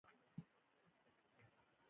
ته ولې خپه ناسته يې ؟